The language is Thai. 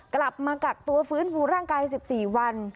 กลับมากักตัวฟื้นฟูร่างกาย๑๔วัน